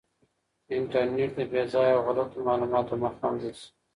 انټرنیټ د بې ځایه او غلطو معلوماتو مخه هم نیسي.